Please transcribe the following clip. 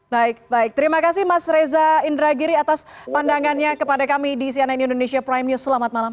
baik baik terima kasih mas reza indragiri atas pandangannya kepada kami di cnn indonesia prime news selamat malam